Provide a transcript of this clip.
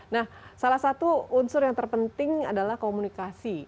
nah salah satu unsur yang terpenting adalah komunikasi